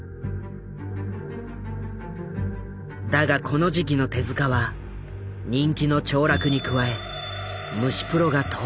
だがこの時期の手は人気の凋落に加え虫プロが倒産。